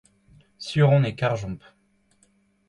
sur on e karjomp.